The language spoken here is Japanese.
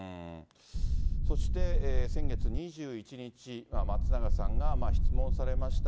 そして先月２１日、松永さんが質問されました。